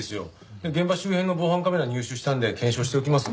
現場周辺の防犯カメラを入手したので検証しておきます。